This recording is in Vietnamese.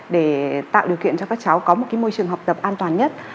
để tạo điều kiện cho các cháu có một môi trường học tập an toàn nhất